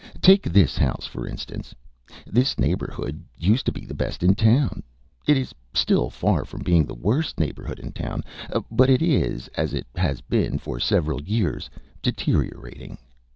Take this house, for instance. This neighborhood used to be the best in town. It is still far from being the worst neighborhood in town, but it is, as it has been for several years, deteriorating.